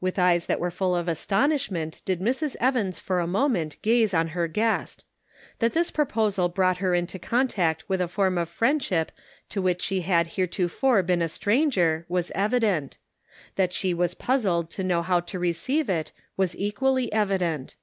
With eyes that were full of astonishment did Mrs. Evans for a moment gaze on her guest. That this proposal brought her into contact with a form of friendship to which she had heretofore been a stranger was evident; that she was puzzled to know how to receive it was equally evident.